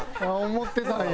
思ってたんや。